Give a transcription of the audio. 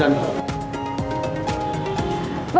vâng thưa quý vị